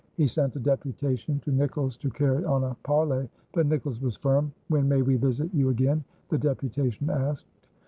He sent a deputation to Nicolls to carry on a parley; but Nicolls was firm. "When may we visit you again?" the deputation asked.